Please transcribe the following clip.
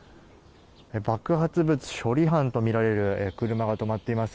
爆発物処理班とみられる車が止まっています。